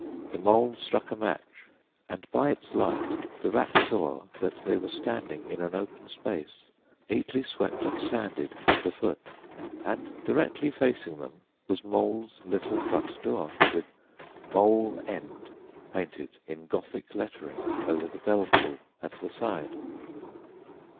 The Mole struck a match, and by its light the Rat saw that they were standing in an open space, neatly swept and sanded underfoot, and directly facing them was Mole's little front door, with "Mole End" painted, in Gothic lettering, over the bell pull at the side.